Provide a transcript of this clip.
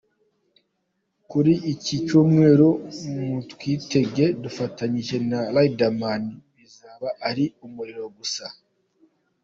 Kuri iki cyumweru mutwitege dufatanyije na Riderman bizaba ari umuriro gusa.